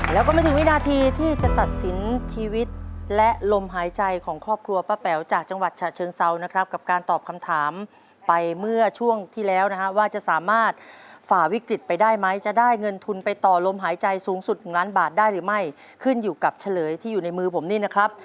แล้วก็ไม่ถึงวินาทีที่จะตัดสินชีวิตและลมหายใจของครอบครัวป้าแป๋วจากจังหวัดฉะเชิงเซานะครับกับการตอบคำถามไปเมื่อช่วงที่แล้วนะฮะว่าจะสามารถฝ่าวิกฤตไปได้ไหมจะได้เงินทุนไปต่อลมหายใจสูงสุดหนึ่งล้านบาทได้หรือไม่ขึ้นอยู่กับเฉลยที่อยู่ในมือผมนี่นะครับ